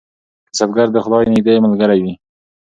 کسبګر د خدای نږدې ملګری وي.